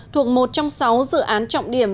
thuộc một trong sáu dự án trọng điểm